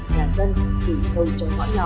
nhà dân từ sâu trong ngõ nhỏ